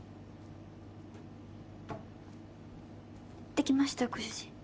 できましたご主人。